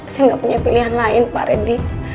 saya nggak punya pilihan lain pak reddy